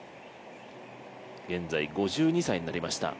現在５２歳になりました。